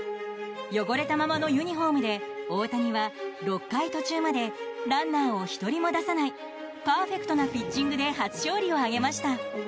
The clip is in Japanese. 汚れたままのユニホームで大谷は６回途中までランナーを１人も出さないパーフェクトなピッチングで初勝利を挙げました。